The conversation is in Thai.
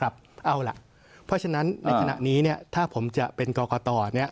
เพราะฉะนั้นในขณะนี้ถ้าผมจะเป็นกรต่อ